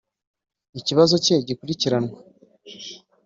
ikibazo cye gikurikiranwe.